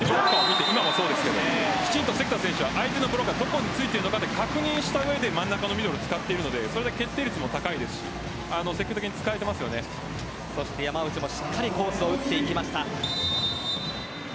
関田選手も相手ブロックを見てどこについているのかを確認した上で真ん中のミドルを使っているのでそれだけ決定率も高いですし山内も、しっかりコースに打っていきました。